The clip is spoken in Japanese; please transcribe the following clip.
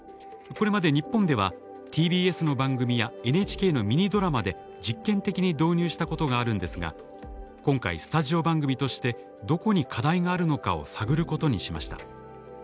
これまで日本ではＴＢＳの番組やＮＨＫのミニドラマで実験的に導入したことがあるんですが今回スタジオ番組としてどこに課題があるのかを探ることにしました。